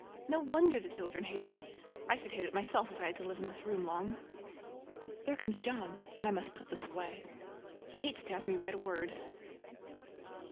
No wonder the children hated it! I should hate it myself if I had to live in this room long. There comes John, and I must put this away,—he hates to have me write a word.